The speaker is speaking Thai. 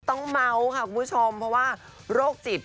เมาส์ค่ะคุณผู้ชมเพราะว่าโรคจิต